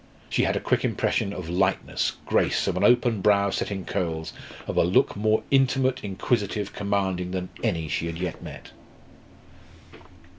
She had a quick impression of lightness, grace; of an open brow set in curls; of a look more intimate, inquisitive, commanding, than any she had yet met.